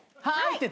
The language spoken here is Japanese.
はい！